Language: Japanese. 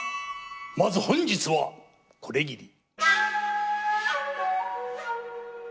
まず本日はこれぎり。